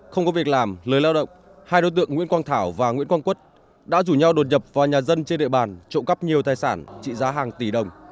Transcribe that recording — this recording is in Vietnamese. không có việc làm lời lao động hai đối tượng nguyễn quang thảo và nguyễn quang quất đã rủ nhau đột nhập vào nhà dân trên địa bàn trộm cắp nhiều tài sản trị giá hàng tỷ đồng